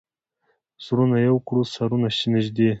زړونه یو کړو، سرونه نژدې